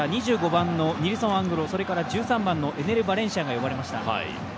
２５番のニルソン・アングロ、それから１３番のエネル・バレンシアが呼ばれました。